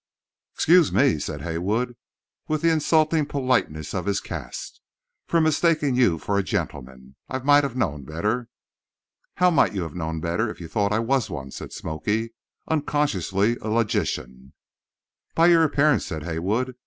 "Excuse me," said Haywood, with the insulting politeness of his caste, "for mistaking you for a gentleman. I might have known better." "How might you have known better if you thought I was one?" said "Smoky," unconsciously a logician. "By your appearance," said Haywood.